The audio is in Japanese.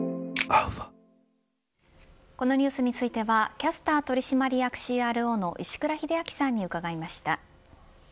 このニュースについてはキャスター取締役ＣＲＯの石倉秀明さんに伺いました。